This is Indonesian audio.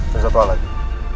dan satu hal lagi